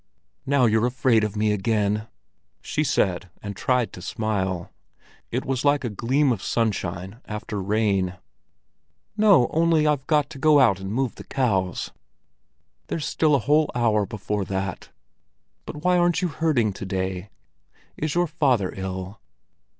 "Now you're afraid of me again!" she said, and tried to smile. It was like a gleam of sunshine after rain. "No—only I've got to go out and move the cows." "There's still a whole hour before that. But why aren't you herding to day? Is your father ill?"